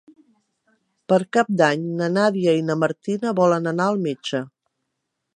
Per Cap d'Any na Nàdia i na Martina volen anar al metge.